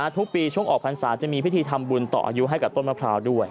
ทุกปีช่วงออกพรรษาจะมีพิธีทำบุญต่ออายุให้กับต้นมะพร้าวด้วย